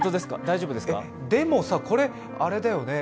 でもさ、これ、あれだよね